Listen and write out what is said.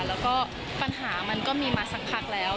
แล้วก็ปัญหามันก็มีมาสักพักแล้ว